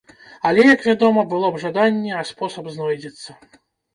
Але, як вядома, было б жаданне, а спосаб знойдзецца.